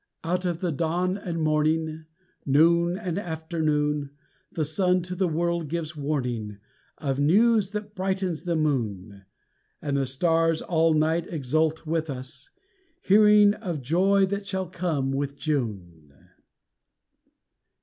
Out of dawn and morning, Noon and afternoon, The sun to the world gives warning Of news that brightens the moon; And the stars all night exult with us, hearing of joy that shall come with June.